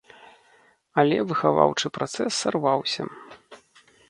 Але выхаваўчы працэс сарваўся.